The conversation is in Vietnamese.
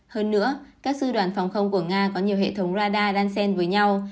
hơn nữa các sư đoàn phòng không của nga có nhiều hệ thống radar đan sen với nhau